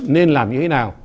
nên làm như thế nào